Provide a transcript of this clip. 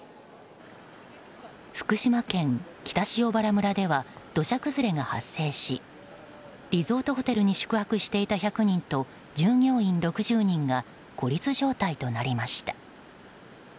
福島県北塩原村では土砂崩れが発生しリゾートホテルに宿泊していた１００人と従業員６０人が孤立状態となりました。